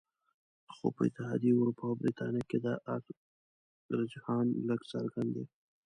خو په اتحادیه اروپا او بریتانیا کې دا رجحان لږ څرګند دی